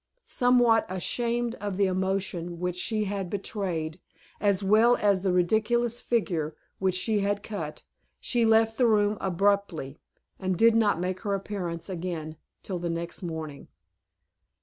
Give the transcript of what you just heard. Somewhat ashamed of the emotion which she had betrayed, as well as the ridiculous figure which she had cut, she left the room abruptly, and did not make her appearance again till the next morning.